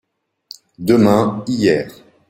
Demain/Hier.